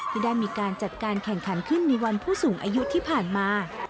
ที่ได้มีการจัดการแข่งขันขึ้นในวันผู้สูงอายุที่ผ่านมา